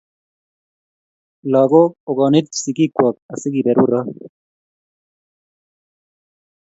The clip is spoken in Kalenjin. lagok okonit sigiikwok asi keberurok